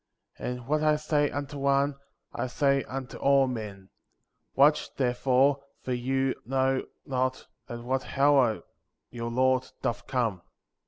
And what I say unto one, I say unto all men ; watch, therefore, for you know not at what hour your Lord doth come.